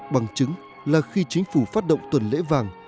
bằng chứng là khi chính phủ phát động tuần lễ vàng